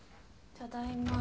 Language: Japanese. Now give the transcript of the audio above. ただいま。